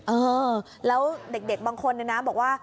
เออแล้วเด็กบางคนเนี่ยนะบอกว่า